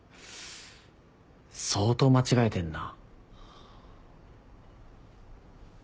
相当間違えてんな。